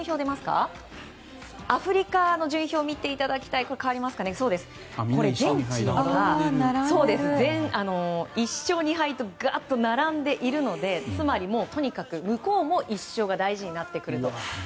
アフリカの順位表を見ていただくと全チームが１勝２敗と並んでいるのでつまりもう、とにかく向こうも１勝が大事になってくる。